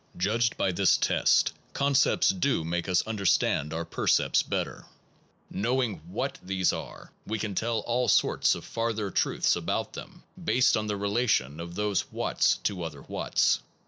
Judged by this test, concepts do make us understand our percepts better: knowing what these are, we can tell all sorts of farther truths about them, based on the relation of those whats to other whats.